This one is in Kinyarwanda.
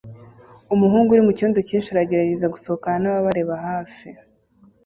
Umuhungu uri mucyondo cyinshi aragerageza gusohokana nababareba hafi